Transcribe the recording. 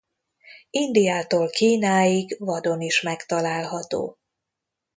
Indiától Kínáig vadon is megtalálható.